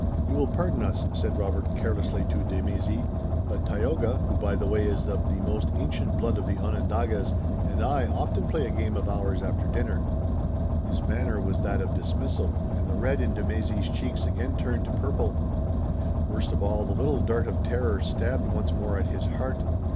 "You will pardon us," said Robert carelessly to de Mézy, "but Tayoga, who by the way is of the most ancient blood of the Onondagas, and I often play a game of ours after dinner." His manner was that of dismissal, and the red in de Mézy's cheeks again turned to purple. Worst of all, the little dart of terror stabbed once more at his heart.